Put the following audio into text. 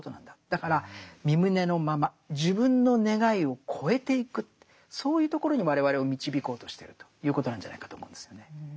だからみ旨のまま自分の願いを超えていくそういうところに我々を導こうとしてるということなんじゃないかと思うんですよね。